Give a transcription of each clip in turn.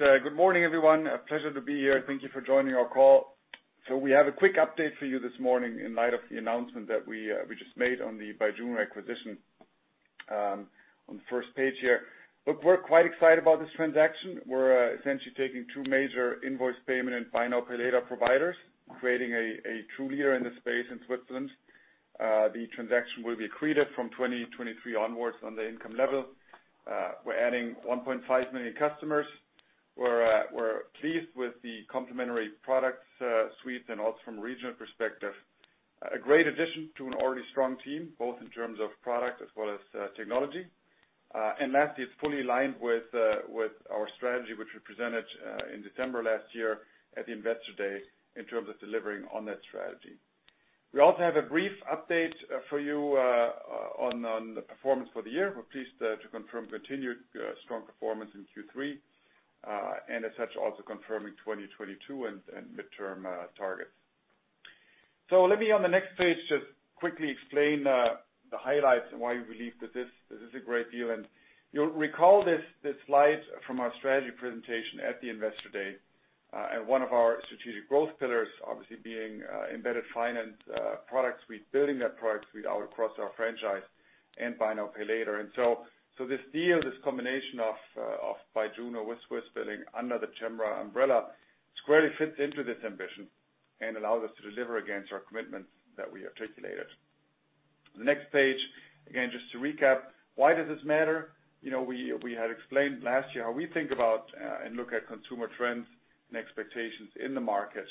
Good morning, everyone. A pleasure to be here. Thank you for joining our call. We have a quick update for you this morning in light of the announcement that we just made on the Byjuno acquisition, on the first page here. Look, we're quite excited about this transaction. We're essentially taking two major invoice payment and buy now, pay later providers, creating a true leader in this space in Switzerland. The transaction will be accretive from 2023 onwards on the income level. We're adding 1.5 million customers. We're pleased with the complementary product suites and also from a regional perspective. A great addition to an already strong team, both in terms of product as well as technology. Lastly, it's fully aligned with our strategy, which we presented in December last year at the Investor Day in terms of delivering on that strategy. We also have a brief update for you on the performance for the year. We're pleased to confirm continued strong performance in Q3 and as such, also confirming 2022 and midterm targets. Let me on the next page just quickly explain the highlights and why we believe that this is a great deal. You'll recall this slide from our strategy presentation at the Investor Day and one of our strategic growth pillars, obviously, being embedded finance products. We're building that product suite out across our franchise and buy now, pay later. This deal, this combination of Byjuno with Swissbilling under the Cembra umbrella squarely fits into this ambition and allows us to deliver against our commitments that we articulated. The next page, again, just to recap, why does this matter? You know, we had explained last year how we think about and look at consumer trends and expectations in the market,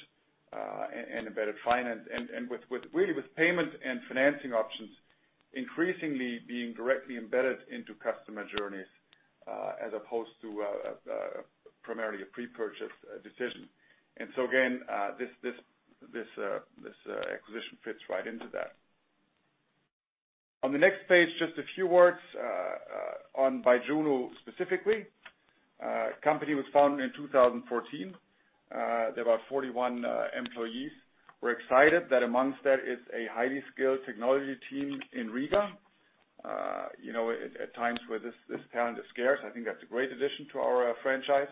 and embedded finance and with really with payment and financing options increasingly being directly embedded into customer journeys, as opposed to primarily a pre-purchase decision. This acquisition fits right into that. On the next page, just a few words on Byjuno specifically. Company was founded in 2014. They're about 41 employees. We're excited that among that is a highly skilled technology team in Riga. You know, at times where this talent is scarce, I think that's a great addition to our franchise.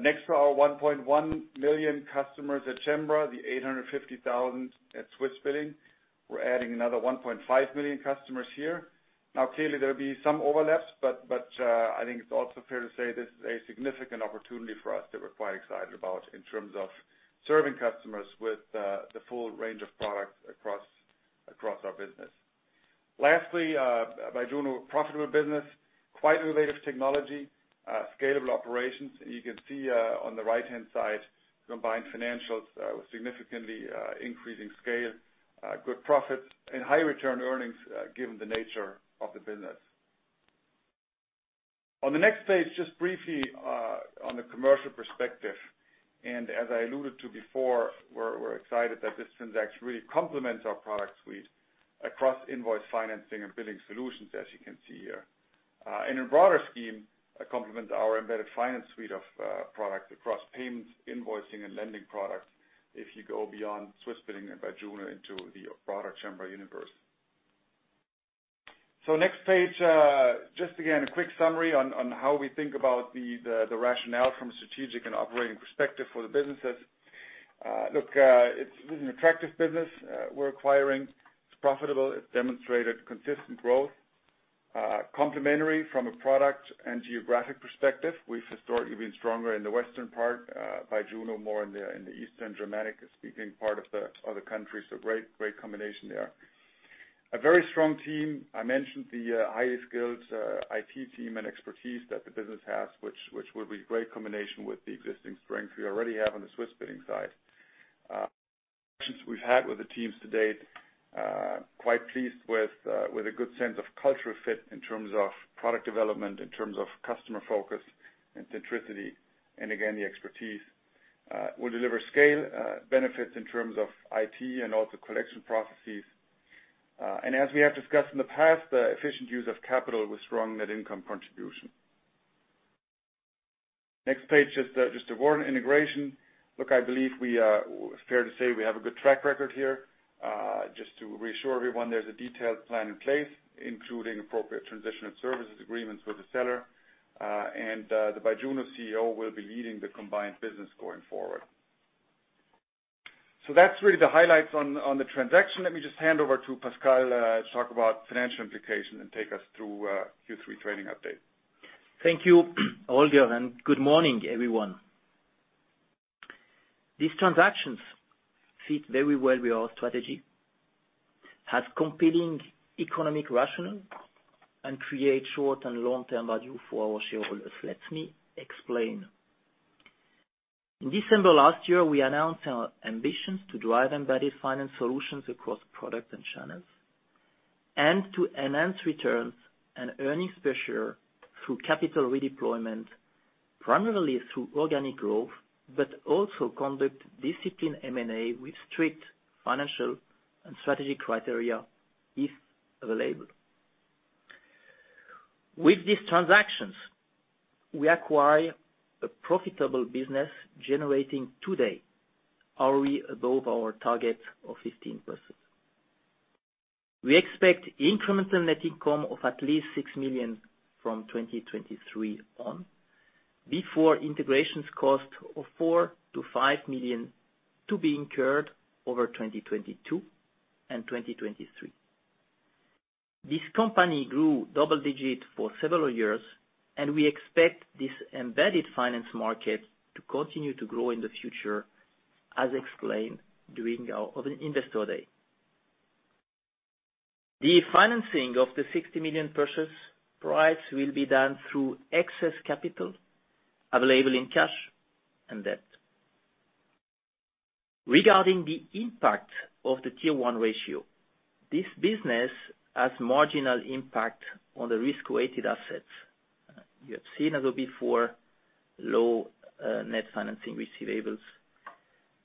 Next to our 1.1 million customers at Cembra, the 850,000 at Swissbilling, we're adding another 1.5 million customers here. Now, clearly there'll be some overlaps, but I think it's also fair to say this is a significant opportunity for us that we're quite excited about in terms of serving customers with the full range of products across our business. Lastly, Byjuno, profitable business, quite innovative technology, scalable operations. You can see on the right-hand side, combined financials with significantly increasing scale, good profit and high return earnings, given the nature of the business. On the next page, just briefly, on the commercial perspective, and as I alluded to before, we're excited that this transaction really complements our product suite across invoice financing and billing solutions, as you can see here. In a broader scheme, complements our embedded finance suite of products across payments, invoicing, and lending products if you go beyond Swissbilling and Byjuno into the broader Cembra universe. Next page, just again, a quick summary on how we think about the rationale from a strategic and operating perspective for the businesses. Look, it's an attractive business we're acquiring. It's profitable. It's demonstrated consistent growth. Complementary from a product and geographic perspective. We've historically been stronger in the western part, Byjuno more in the eastern German-speaking part of the country. Great combination there. A very strong team. I mentioned the highly skilled IT team and expertise that the business has, which will be great combination with the existing strength we already have on the Swissbilling side. Interactions we've had with the teams to date, quite pleased with a good sense of cultural fit in terms of product development, in terms of customer focus and centricity, and again, the expertise. Will deliver scale benefits in terms of IT and also collection processes. As we have discussed in the past, efficient use of capital with strong net income contribution. Next page, just a word on integration. Look, fair to say we have a good track record here. Just to reassure everyone, there's a detailed plan in place, including appropriate transition of services agreements with the seller. The Byjuno CEO will be leading the combined business going forward. That's really the highlights on the transaction. Let me just hand over to Pascal to talk about financial implication and take us through Q3 trading update. Thank you, Holger and good morning, everyone. These transactions fit very well with our strategy, has compelling economic rationale, and create short and long-term value for our shareholders. Let me explain. In December last year, we announced our ambitions to drive embedded finance solutions across products and channels and to enhance returns and earnings per share through capital redeployment, primarily through organic growth, but also conduct disciplined M&A with strict financial and strategic criteria if available. With these transactions, we acquire a profitable business generating today already above our target of 15%. We expect incremental net income of at least 6 million from 2023 on, before integrations cost of 4 million-5 million to be incurred over 2022 and 2023. This company grew double-digit for several years, and we expect this embedded finance market to continue to grow in the future as explained during our investor day. The financing of the 60 million purchase price will be done through excess capital available in cash and debt. Regarding the impact of the Tier 1 ratio, this business has marginal impact on the risk-weighted assets. You have seen although before low, net financing receivables,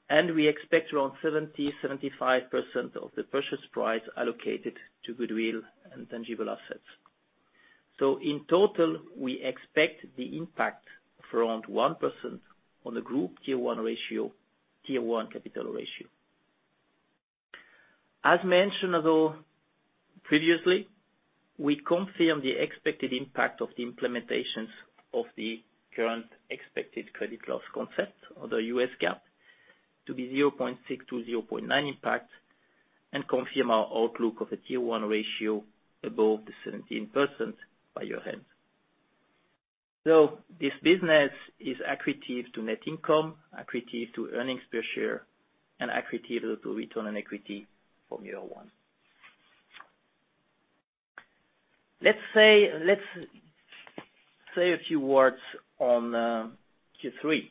and we expect around 70%-75% of the purchase price allocated to goodwill and intangible assets. In total, we expect the impact of around 1% on the group Tier 1 ratio, Tier 1 capital ratio. As mentioned previously, we confirm the expected impact of the implementation of the current expected credit loss concept under US GAAP to be 0.6-0.9 impact and confirm our outlook of a Tier 1 ratio above 17% by year-end. This business is accretive to net income, accretive to earnings per share, and accretive to return on equity from year one. Let's say a few words on Q3.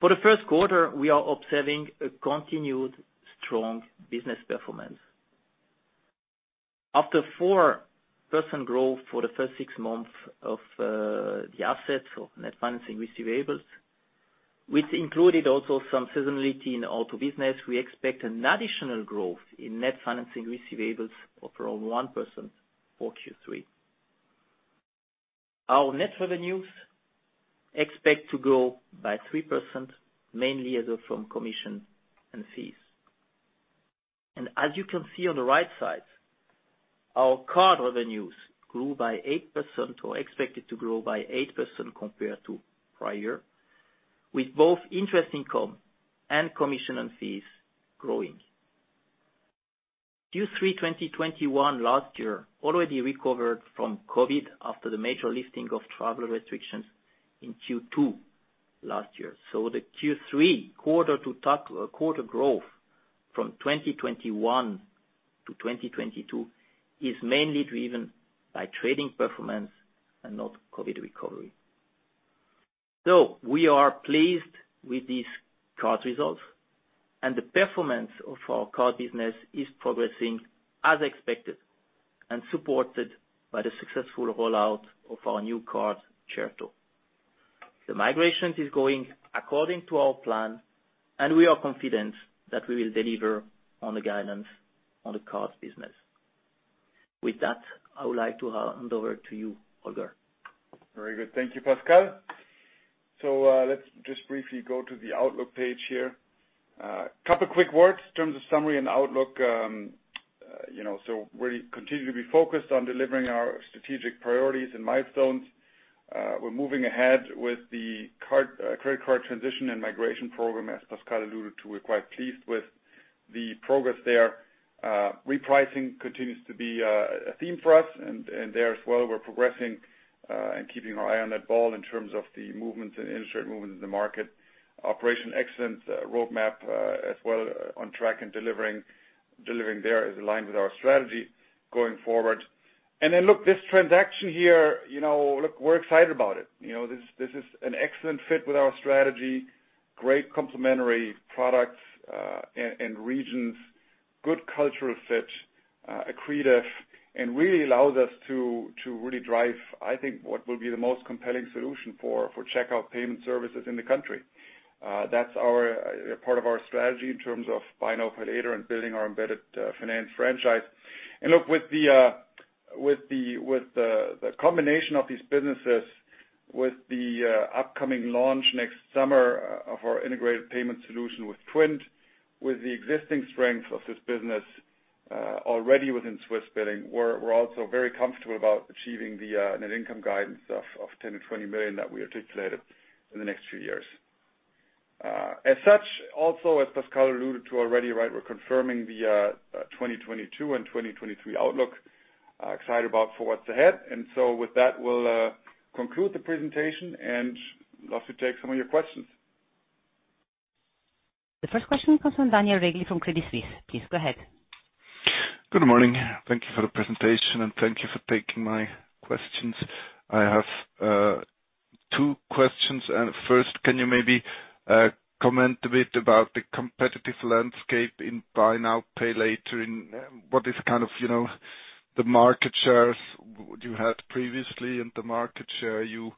For the Q3, we are observing a continued strong business performance. After 4% growth for the first six months in net financing receivables, which included also some seasonality in auto business, we expect an additional growth in net financing receivables of around 1% for Q3. Our net revenues expect to grow by 3%, mainly as from commission and fees. As you can see on the right side, our card revenues grew by 8% or expected to grow by 8% compared to prior, with both interest income and commission and fees growing. Q3 2021 last year already recovered from COVID after the major lifting of travel restrictions in Q2 last year. The Q3 quarter-to-quarter growth from 2021 to 2022 is mainly driven by trading performance and not COVID recovery. We are pleased with these card results, and the performance of our card business is progressing as expected and supported by the successful rollout of our new card, Certo!. The migration is going according to our plan, and we are confident that we will deliver on the guidance on the card business. With that, I would like to hand over to you, Holger. Very good. Thank you, Pascal. Let's just briefly go to the outlook page here. Couple quick words in terms of summary and outlook. You know, we continue to be focused on delivering our strategic priorities and milestones. We're moving ahead with the card, credit card transition and migration program, as Pascal alluded to. We're quite pleased with the progress there. Repricing continues to be a theme for us, and there as well, we're progressing and keeping our eye on that ball in terms of the movements and interest rate movements in the market. Operational excellence roadmap as well on track and delivering there is aligned with our strategy going forward. Then look, this transaction here, you know, look, we're excited about it. You know, this is an excellent fit with our strategy, great complementary products, and regions, good cultural fit, accretive, and really allows us to really drive, I think, what will be the most compelling solution for checkout payment services in the country. That's our part of our strategy in terms of buy now, pay later and building our embedded finance franchise. Look, with the combination of these businesses, with the upcoming launch next summer of our integrated payment solution with TWINT, with the existing strength of this business already within Swissbilling, we're also very comfortable about achieving the net income guidance of 10 million-20 million that we articulated in the next few years. As such, also as Pascal alluded to already, right, we're confirming the 2022 and 2023 outlook. Excited about for what's ahead. With that, we'll conclude the presentation and love to take some of your questions. The first question comes from Daniel Regli from Credit Suisse. Please go ahead. Good morning. Thank you for the presentation, and thank you for taking my questions. I have two questions. First, can you maybe comment a bit about the competitive landscape in buy now, pay later? What is kind of, you know, the market shares you had previously and the market share you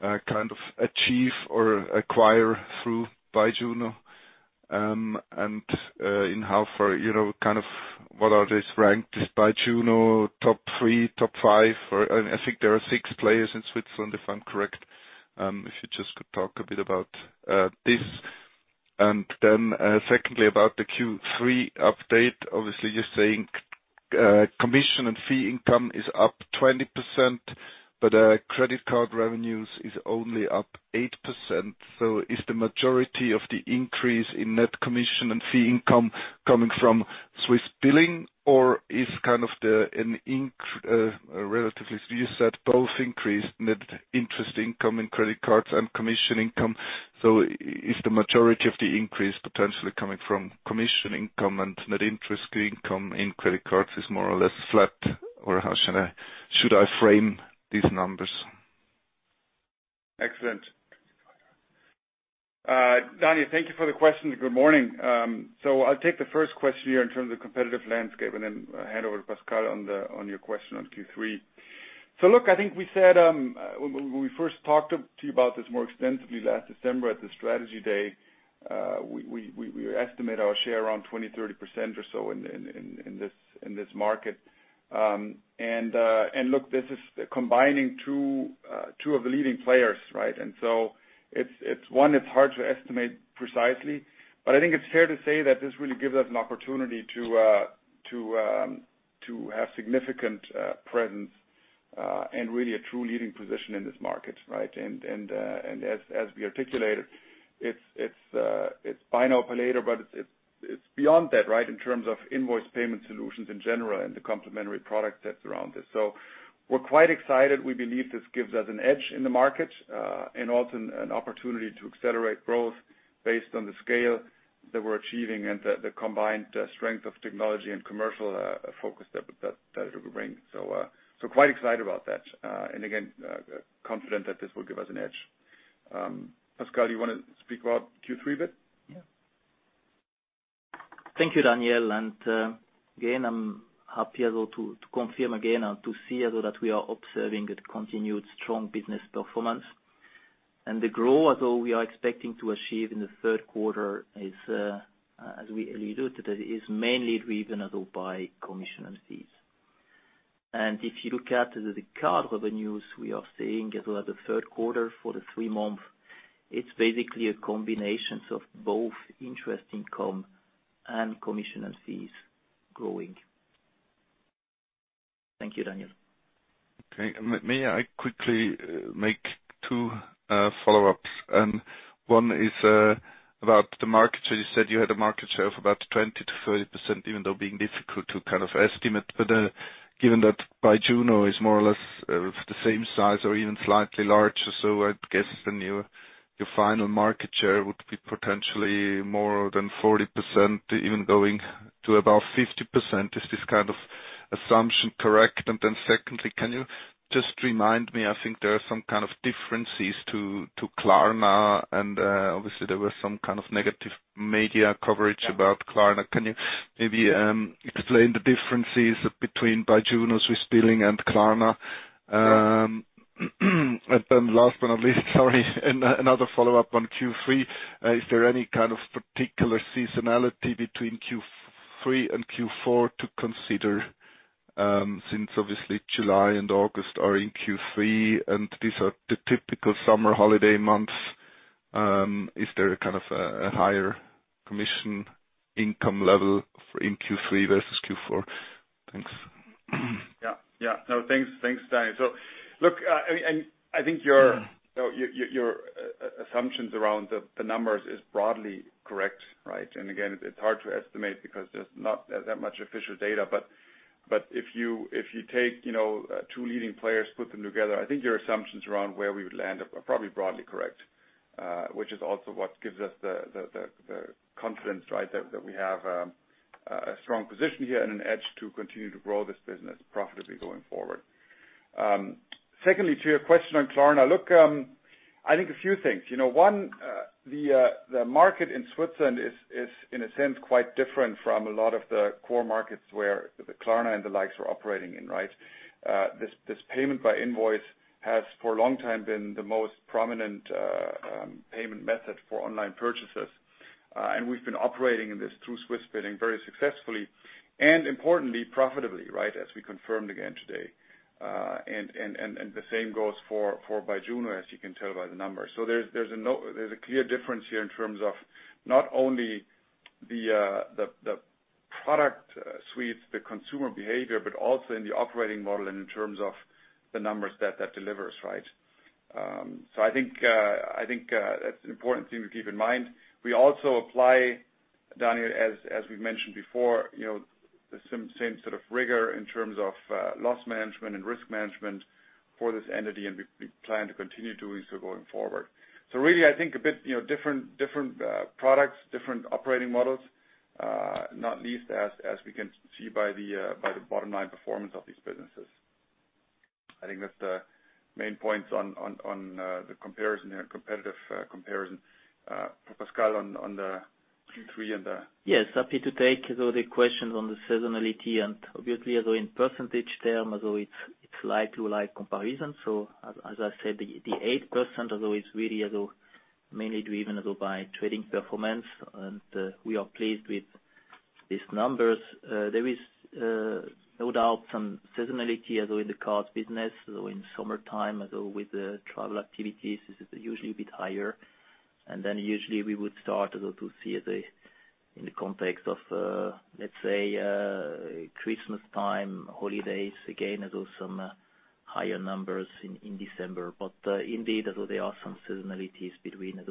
kind of achieve or acquire through Byjuno? In how far, you know, kind of what are these ranked by Byjuno or top three, top five? Or I think there are six players in Switzerland, if I'm correct. If you just could talk a bit about this. Then, secondly, about the Q3 update. Obviously, you're saying commission and fees income is up 20%, but credit card revenues is only up 8%. Is the majority of the increase in net commission and fee income coming from Swissbilling or, relatively, you said both increased net interest income in credit cards and commission income. Is the majority of the increase potentially coming from commission income and net interest income in credit cards is more or less flat, or how should I frame these numbers? Excellent. Daniel, thank you for the question. Good morning. I'll take the first question here in terms of competitive landscape and then hand over to Pascal on the, on your question on Q3. Look, I think we said, when we first talked to you about this more extensively last December at the strategy day, we estimate our share around 20-30% or so in this market. And look, this is combining two of the leading players, right? It's hard to estimate precisely, but I think it's fair to say that this really gives us an opportunity to have significant presence and really a true leading position in this market, right? As we articulated, it's buy now, pay later, but it's beyond that, right, in terms of invoice payment solutions in general and the complementary product that's around this. We're quite excited. We believe this gives us an edge in the market and also an opportunity to accelerate growth based on the scale that we're achieving and the combined strength of technology and commercial focus that it will bring. Quite excited about that and again, confident that this will give us an edge. Pascal, you want to speak about Q3 a bit? Yeah. Thank you, Daniel. Again, I'm happy as well to confirm again and to see as well that we are observing a continued strong business performance. The growth as well we are expecting to achieve in the Q3 is, as we alluded, is mainly driven as well by commission and fees. If you look at the card revenues, we are seeing as well the Q3 for the three months, it's basically a combination of both interest income and commission and fees growing. Thank you, Daniel. Okay. May I quickly make two follow-ups? One is about the market share. You said you had a market share of about 20%-30%, even though being difficult to kind of estimate. Given that Byjuno is more or less the same size or even slightly larger, so I'd guess then your final market share would be potentially more than 40%, even going to about 50%. Is this kind of assumption correct? Secondly, can you just remind me, I think there are some kind of differences to Klarna, and obviously there was some kind of negative media coverage about Klarna. Can you maybe explain the differences between Byjuno, Swissbilling, and Klarna? Last but not least, sorry, another follow-up on Q3. Is there any kind of particular seasonality between Q3 and Q4 to consider, since obviously July and August are in Q3, and these are the typical summer holiday months? Is there a kind of higher commission income level in Q3 versus Q4? Thanks. Yeah. No, thanks, Daniel. Look, I mean, I think your assumptions around the numbers is broadly correct, right? Again, it's hard to estimate because there's not that much official data. If you take you know two leading players, put them together, I think your assumptions around where we would land are probably broadly correct, which is also what gives us the confidence, right, that we have a strong position here and an edge to continue to grow this business profitably going forward. Secondly, to your question on Klarna. Look, I think a few things. You know, one, the market in Switzerland is in a sense quite different from a lot of the core markets where the Klarna and the likes are operating in, right? This payment by invoice has for a long time been the most prominent payment method for online purchases. We've been operating in this through Swissbilling very successfully, and importantly, profitably, right, as we confirmed again today. The same goes for Byjuno, as you can tell by the numbers. There's a clear difference here in terms of not only the product suites, the consumer behavior, but also in the operating model and in terms of the numbers that delivers, right? I think that's an important thing to keep in mind. We also apply, Daniel, as we mentioned before, you know, the same sort of rigor in terms of loss management and risk management for this entity, and we plan to continue doing so going forward. Really, I think a bit, you know, different products, different operating models, not least as we can see by the bottom line performance of these businesses. I think that's the main points on the comparison here, competitive comparison. For Pascal on the Q3 and the. Yes, happy to take as well the questions on the seasonality and obviously, as well in percentage terms, as well, it's like to like comparison. As I said, the 8% as well is really as well mainly driven as well by trading performance, and we are pleased with these numbers. There is no doubt some seasonality as in the card business. In summertime, as well with the travel activities, this is usually a bit higher. Then usually we would start to see in the context of, let's say, Christmas time, holidays, again, there's some higher numbers in December. Indeed, there are some seasonalities between the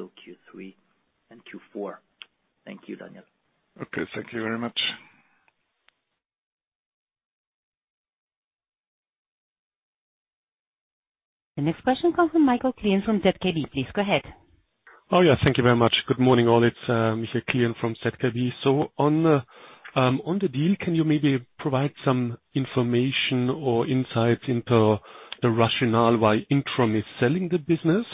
Q3 and Q4. Thank you, Daniel. Okay, thank you very much. The next question comes from Michael Klien from ZKB. Please go ahead. Oh, yeah, thank you very much. Good morning, all. It's Michael Klien from ZKB. On the deal, can you maybe provide some information or insights into the rationale why Intrum is selling the business?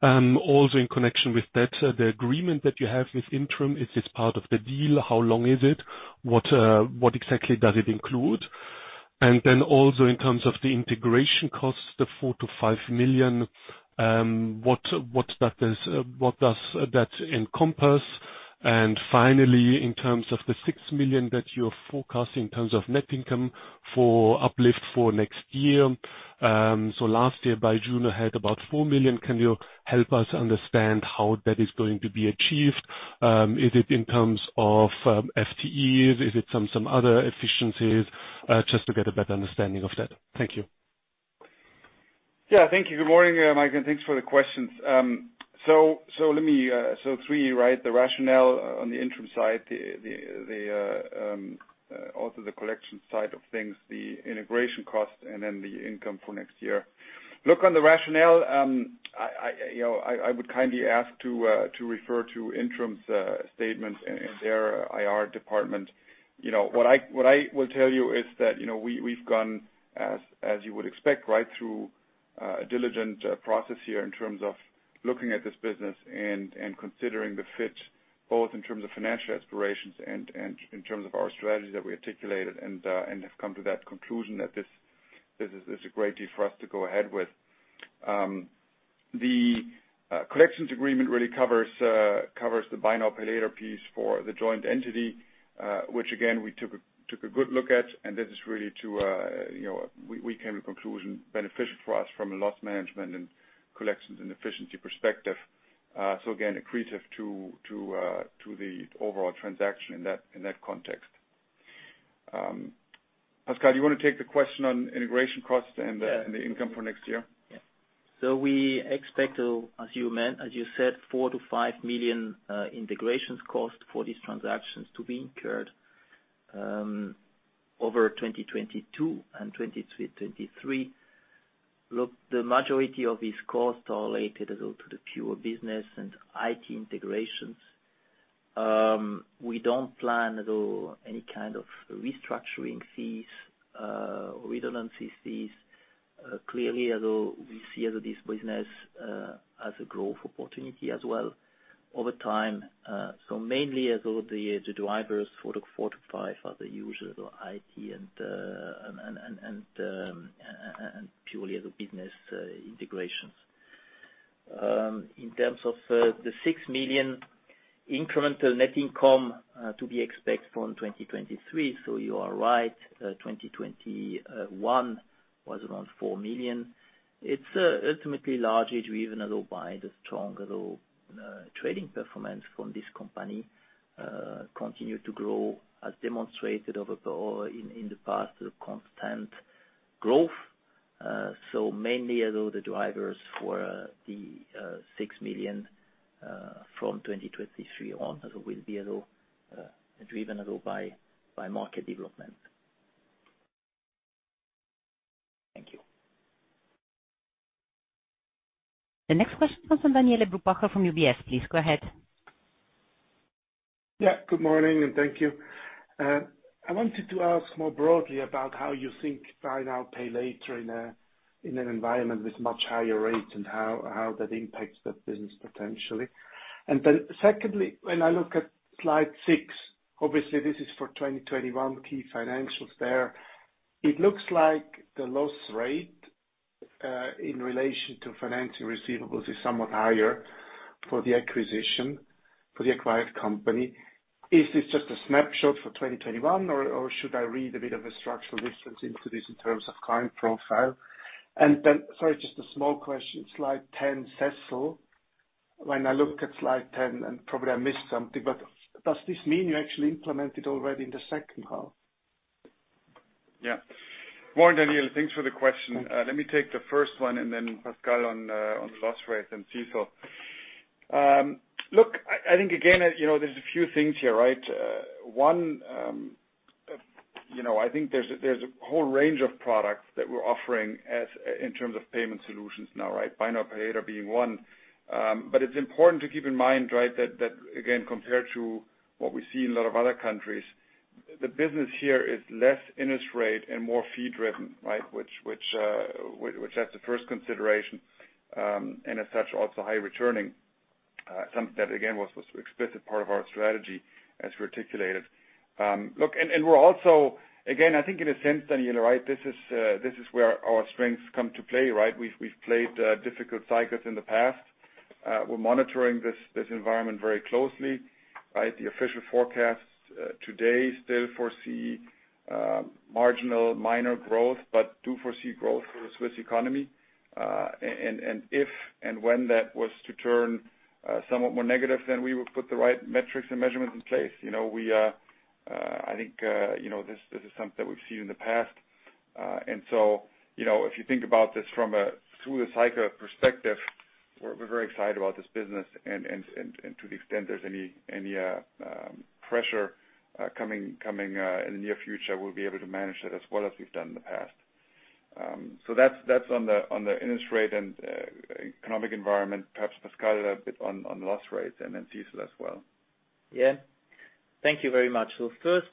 Also in connection with that, the agreement that you have with Intrum, is this part of the deal? How long is it? What exactly does it include? And then also in terms of the integration costs, the 4 million-5 million, what does that encompass? And finally, in terms of the 6 million that you're forecasting in terms of net income for uplift for next year, so last year Byjuno had about 4 million. Can you help us understand how that is going to be achieved? Is it in terms of FTEs? Is it some other efficiencies? Just to get a better understanding of that. Thank you. Yeah, thank you. Good morning, Michael, and thanks for the questions. Let me the three, right? The rationale on the Intrum side, also the collection side of things, the integration cost, and then the income for next year. Look, on the rationale, I, you know, I would kindly ask to refer to Intrum's statement and their IR department. You know, what I will tell you is that, you know, we've gone as you would expect right through a diligent process here in terms of looking at this business and considering the fit, both in terms of financial aspirations and in terms of our strategy that we articulated and have come to that conclusion that this is a great deal for us to go ahead with. The collections agreement really covers the buy now, pay later piece for the joint entity, which again, we took a good look at, and this is really to you know we came to conclusion beneficial for us from a loss management and collections and efficiency perspective. So again, accretive to the overall transaction in that context. Pascal, do you want to take the question on integration costs? Yeah. The income for next year? Yeah. We expect to, as you said, 4-5 million integrations cost for these transactions to be incurred over 2022 and 2023. Look, the majority of these costs are related, as well, to the pure business and IT integrations. We don't plan, as well, any kind of restructuring fees, redundancy fees. Clearly, as well, we see this business as a growth opportunity as well over time. Mainly, as well, the drivers for the 4-5 are the usual IT and purely the business integrations. In terms of the 6 million incremental net income to be expected from 2023, so you are right. 2021 was around 4 million. It's ultimately largely driven, as well, by the stronger trading performance from this company continue to grow as demonstrated in the past, the constant growth. Mainly, as well, the drivers for the 6 million from 2023 on as well will be, as well, driven as well by market development. Thank you. The next question comes from Daniele Brupbacher from UBS. Please go ahead. Yeah, good morning, and thank you. I wanted to ask more broadly about how you think buy now, pay later in an environment with much higher rates and how that impacts the business potentially. Then secondly, when I look at slide six, obviously this is for 2021 key financials there. It looks like the loss rate in relation to financing receivables is somewhat higher for the acquisition, for the acquired company. Is this just a snapshot for 2021 or should I read a bit of a structural difference into this in terms of client profile? Sorry, just a small question. Slide 10, CECL. When I look at slide 10, and probably I missed something, but does this mean you actually implemented already in the second half? Yeah. Morning, Daniel. Thanks for the question. Let me take the first one and then Pascal on the loss rate then CECL. Look, I think again, you know, there's a few things here, right? One, you know, I think there's a whole range of products that we're offering as in terms of payment solutions now, right? Buy now, pay later being one. But it's important to keep in mind, right, that again, compared to what we see in a lot of other countries, the business here is less interest rate and more fee driven, right? Which that's the first consideration, and as such, also high returning. That again, was explicit part of our strategy as articulated. Look and we're also again, I think in a sense, Daniel, right, this is where our strengths come to play, right? We've played difficult cycles in the past. We're monitoring this environment very closely, right? The official forecasts today still foresee marginal minor growth, but do foresee growth for the Swiss economy. If and when that was to turn somewhat more negative, then we would put the right metrics and measurements in place. You know, I think you know, this is something that we've seen in the past. You know, if you think about this from a through the cycle perspective, we're very excited about this business, and to the extent there's any pressure coming in the near future, we'll be able to manage it as well as we've done in the past. That's on the interest rate and economic environment. Perhaps Pascal had a bit on loss rates and then CECL as well. Yeah. Thank you very much. First,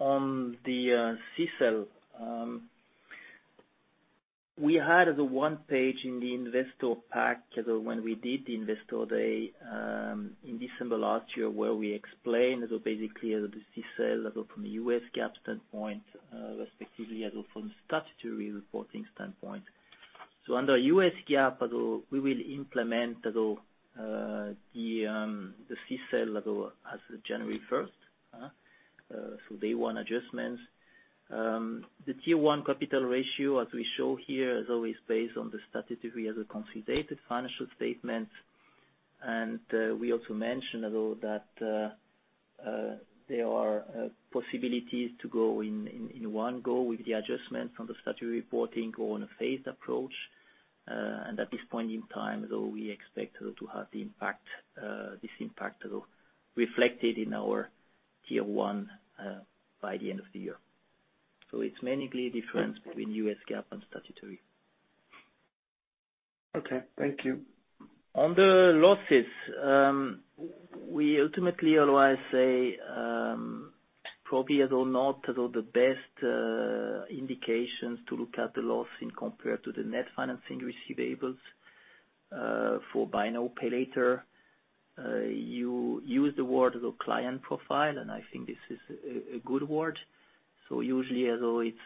on the CECL, we had the one page in the investor pack when we did the investor day in December last year, where we explained basically the CECL level from a US GAAP standpoint, respectively, from a statutory reporting standpoint. Under US GAAP, though, we will implement, though, the CECL level as of January 1st. Day one adjustments. The Tier 1 capital ratio, as we show here, is always based on the statutory as a consolidated financial statement. We also mentioned, though, that there are possibilities to go in one go with the adjustments from the statutory reporting or on a phased approach. At this point in time, though, we expect to have this impact reflected in our Tier 1 by the end of the year. It's mainly difference between US GAAP and statutory. Okay, thank you. On the losses, we ultimately always say the best indications to look at the loss rate compared to the net financing receivables for buy now, pay later. You used the word the client profile, and I think this is a good word. Usually, although it's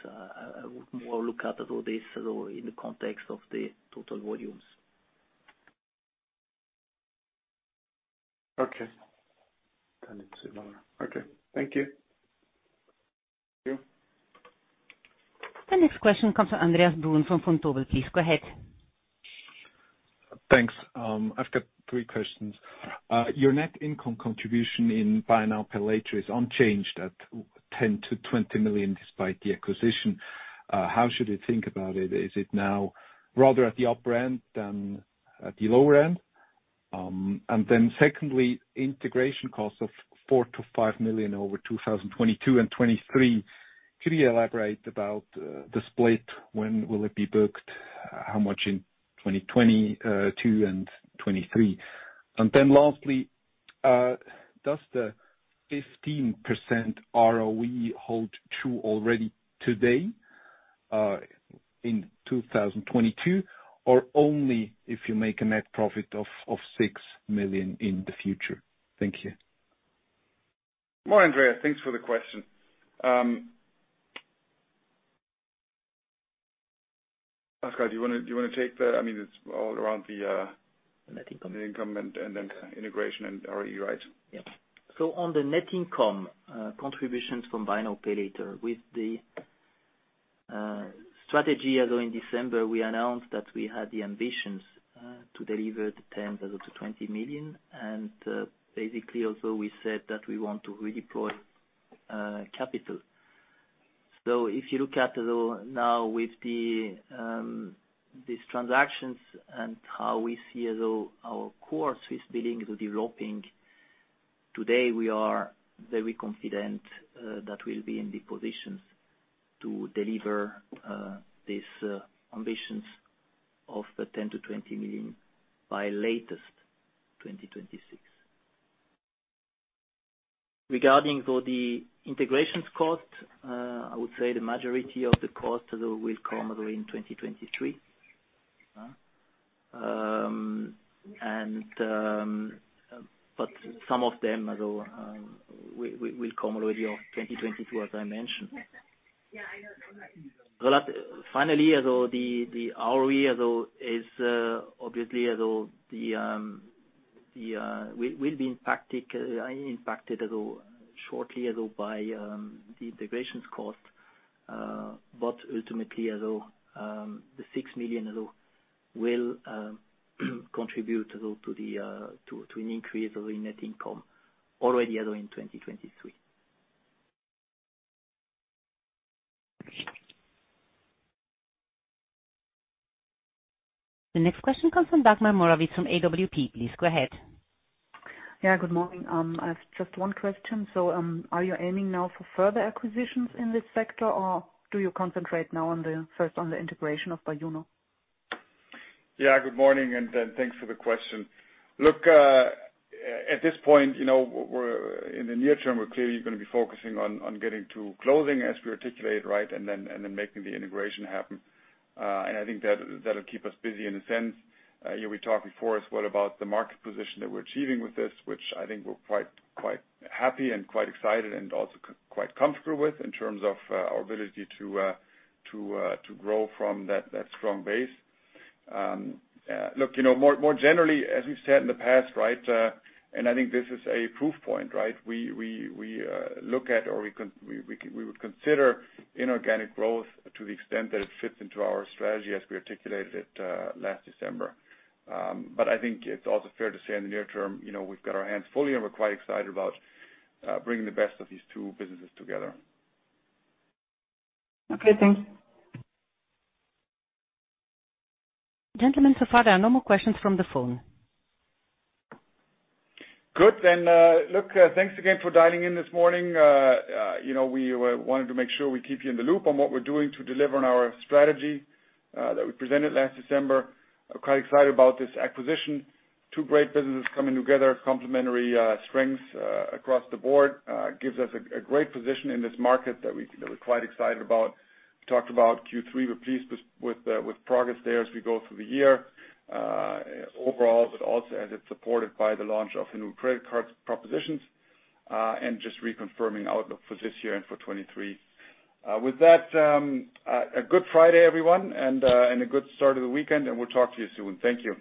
more, look at this though in the context of the total volumes. Okay. Turn it over to Laura. Okay. Thank you. The next question comes from Andreas Brun from Vontobel. Please go ahead. Thanks. I've got three questions. Your net income contribution in buy now, pay later is unchanged at 10 milion-CHF 20 million despite the acquisition. How should we think about it? Is it now rather at the upper end than at the lower end? And then secondly, integration costs of 4 million-5 million over 2022 and 2023. Could you elaborate about the split? When will it be booked? How much in 2022 and 2023? And then lastly, does the 15% ROE hold true already today in 2022, or only if you make a net profit of 6 million in the future? Thank you. Good morning, Andreas. Thanks for the question. Pascal, do you want to take that? I mean, it's all around the net income and then integration and ROE, right? Yeah. On the net income contributions from buy now, pay later, with the strategy, although in December, we announced that we had the ambitions to deliver the 10 million to 20 million. Basically, also we said that we want to redeploy capital. If you look at, though, now with these transactions and how we see, although our core Swissbilling is developing today, we are very confident that we'll be in the position to deliver these ambitions of the 20 million by latest 2026. Regarding the integration costs, I would say the majority of the costs will come in 2023. But some of them will come already in 2022, as I mentioned. Yeah, I know. Finally, although the ROE is obviously it will be impacted shortly by the integration costs, but ultimately 6 million will contribute to an increase of the net income already in 2023. The next question comes from Dagmar Morawitz from AWP. Please go ahead. Yeah, good morning. I have just one question. Are you aiming now for further acquisitions in this sector, or do you concentrate now first on the integration of Byjuno? Yeah, good morning, and thanks for the question. Look, at this point, you know, in the near term, we're clearly going to be focusing on getting to closing as we articulate, right? Making the integration happen. I think that'll keep us busy in a sense. You were talking before as well about the market position that we're achieving with this, which I think we're quite happy and quite excited and also quite comfortable with in terms of our ability to grow from that strong base. Look, you know, more generally, as we've said in the past, right, I think this is a proof point, right? We would consider inorganic growth to the extent that it fits into our strategy as we articulated it last December. I think it's also fair to say in the near term, you know, we've got our hands full, and we're quite excited about bringing the best of these two businesses together. Okay, thanks. Gentlemen, so far, there are no more questions from the phone. Good. Look, thanks again for dialing in this morning. You know, we wanted to make sure we keep you in the loop on what we're doing to deliver on our strategy that we presented last December. We're quite excited about this acquisition. Two great businesses coming together, complementary strengths across the board gives us a great position in this market that we're quite excited about. We talked about Q3. We're pleased with progress there as we go through the year overall, but also as it's supported by the launch of the new credit card propositions and just reconfirming outlook for this year and for 2023. With that, a good Friday, everyone, and a good start of the weekend, and we'll talk to you soon. Thank you.